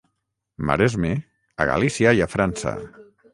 Maresme, a Galícia i a França!